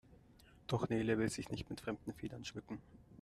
Doch Nele will sich nicht mit fremden Federn schmücken.